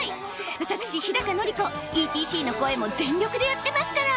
私日のり子ＥＴＣの声も全力でやってますから！